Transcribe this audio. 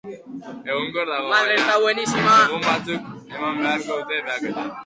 Egonkor dago, baina egun batzuk eman beharko dute behaketan.